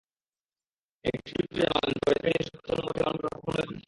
একটি টুইট করে জানালেন, পরীক্ষায় তিনি সর্বোচ্চ নম্বর তেমনভাবে কখনোই পাননি।